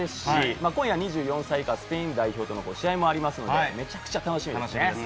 今夜は２４歳以下スペイン代表との試合、めちゃくちゃ楽しみです。